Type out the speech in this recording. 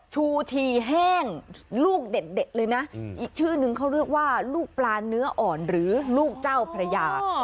ชูทีแห้งลูกเด็ดเลยนะอีกชื่อนึงเขาเรียกว่าลูกปลาเนื้ออ่อนหรือลูกเจ้าพระยา